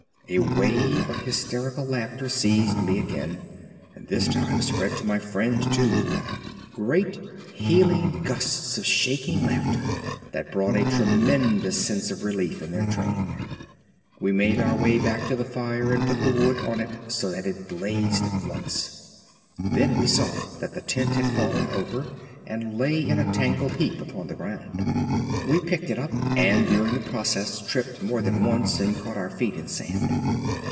A wave of hysterical laughter seized me again, and this time spread to my friend too—great healing gusts of shaking laughter that brought a tremendous sense of relief in their train. We made our way back to the fire and put the wood on so that it blazed at once. Then we saw that the tent had fallen over and lay in a tangled heap upon the ground. We picked it up, and during the process tripped more than once and caught our feet in sand.